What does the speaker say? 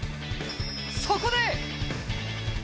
そこで！